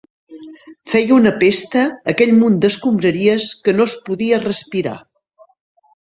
Feia una pesta, aquell munt d'escombraries, que no es podia respirar.